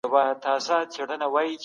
عدالت د ټولني زړه دی.